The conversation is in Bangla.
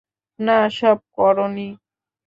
না, সব করোনি।